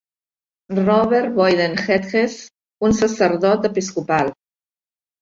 Robert Boyden Hedges, un sacerdot episcopal.